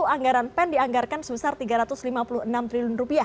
dua ribu dua puluh satu anggaran pen dianggarkan sebesar rp tiga ratus lima puluh enam triliun